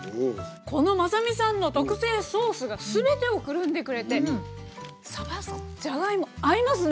このまさみさんの特製ソースが全てをくるんでくれてさばじゃがいも合いますね！